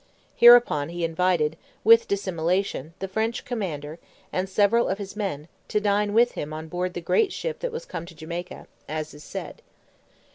Hereupon he invited, with dissimulation, the French commander, and several of his men, to dine with him on board the great ship that was come to Jamaica, as is said.